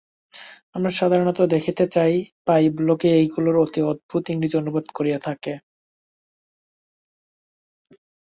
আমরা সাধারণত দেখিতে পাই, লোকে এইগুলির অতি অদ্ভুত ইংরেজী অনুবাদ করিয়া থাকে।